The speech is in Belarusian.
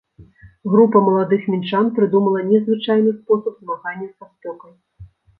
Група маладых мінчан прыдумала незвычайны спосаб змагання са спёкай.